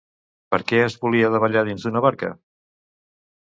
Per què es volia davallar dins d'una barca?